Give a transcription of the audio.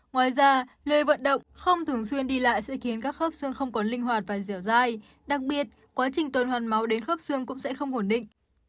ngoài ra lười vận động không thường xuyên đi lại sẽ khiến các khớp xương không còn linh hoạt và dẻo dai đặc biệt quá trình tuần hoàn máu đến khớp xương cũng sẽ không ổn định